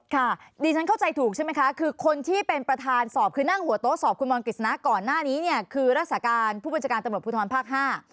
ค่ะดิฉันเข้าใจถูกใช่ไหมคะคือคนที่เป็นประธานสอบคือนั่งหัวโต๊ะสอบคุณบอลกฤษณะก่อนหน้านี้เนี่ยคือรักษาการผู้บัญชาการตำรวจภูทรภาคห้า